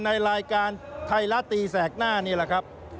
ในรายการไทยรัฐตีแสกหน้านี่แหละครับ